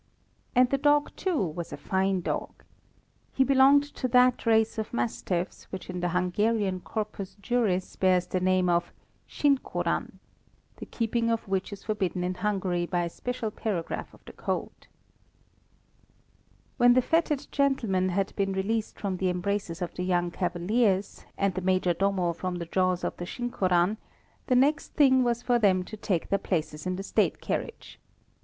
And the dog, too, was a fine dog. He belonged to that race of mastiffs which in the Hungarian Corpus Juris bears the name of "sinkorán," the keeping of which is forbidden in Hungary by a special paragraph of the code. When the fêted gentlemen had been released from the embraces of the young cavaliers, and the Major Domo from the jaws of the sinkorán, the next thing was for them to take their places in the State carriage.